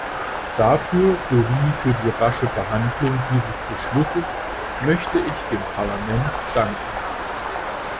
Dafür sowie für die rasche Behandlung dieses Beschlusses möchte ich dem Parlament danken.